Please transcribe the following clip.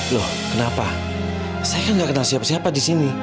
loh kenapa saya kan gak kenal siapa siapa di sini